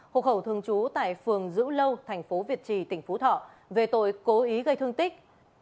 hộ khẩu thường trú tại phường dữ lâu thành phố việt trì tỉnh phú thọ về tội cố ý gây thương tích